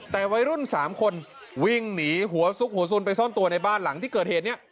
แต่วัยรุ่น๓คนวิ่งหนีหัวซุกหัวสุนไปซ่อนตัวในบ้านหลังที่เกิดเหตุเนี่ย